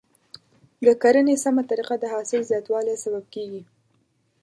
د کرنې سمه طریقه د حاصل زیاتوالي سبب کیږي.